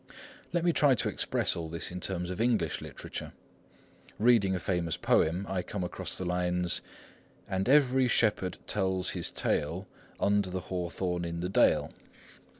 Let me try to express all this in terms of English literature. Reading a famous poem, I come across the lines "And every shepherd tells his tale Under the hawthorn in the dale."